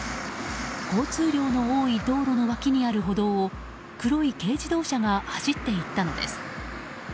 交通量の多い道路の脇にある歩道を黒い軽自動車が走って行ったのです。